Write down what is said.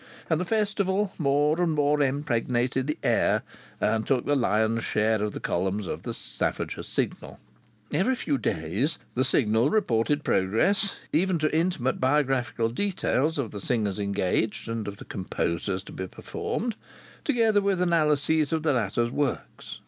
And the Festival more and more impregnated the air, and took the lion's share of the columns of the Staffordshire Signal. Every few days the Signal reported progress, even to intimate biographical details of the singers engaged, and of the composers to be performed, together with analyses of the latter's works.